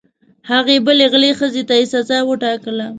هغې بلې غلې ښځې ته یې سزا وټاکله.